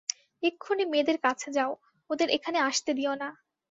এক্ষুণি মেয়েদের কাছে যাও ওদের এখানে আসতে দিও না।